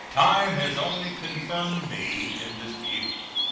Time has only confirmed me in this view.